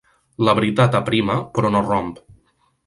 La veritat aprima, però no romp.